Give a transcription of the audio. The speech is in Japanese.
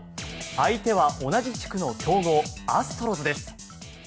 相手は同じ地区の強豪アストロズです。